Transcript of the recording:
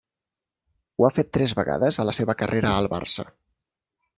Ho ha fet tres vegades a la seva carrera al Barça.